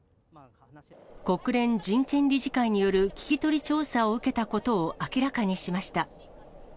国連人権理事会による聞き取り調査を受けたことを明らかにしました。